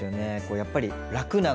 やっぱり楽なので。